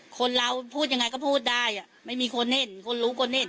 คนเราพูดยังไงก็พูดได้อ่ะไม่มีคนเห็นคนรู้คนเห็น